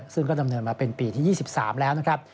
ซึ่งก็ดำเนินมาเป็นปีที่๒๓แล้วนะครับ